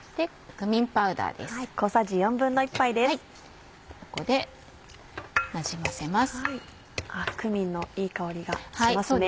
クミンのいい香りがしますね。